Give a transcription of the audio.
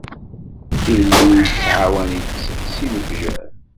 Illu yettɛawan-itt si lefjer.